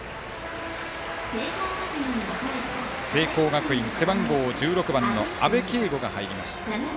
聖光学院、背番号１６番の安部圭吾が入りました。